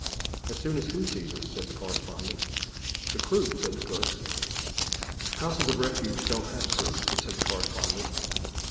"As soon as who see us?" said the correspondent. "The crew," said the cook. "Houses of refuge don't have crews," said the correspondent.